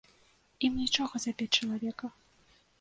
Ім нічога забіць чалавека!